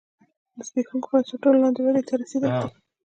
د زبېښونکو بنسټونو لاندې ودې ته رسېدلی دی